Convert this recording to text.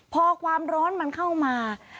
พอความร้อนมันเข้ามา